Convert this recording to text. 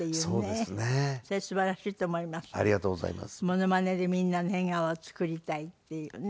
モノマネでみんなの笑顔を作りたいっていうね。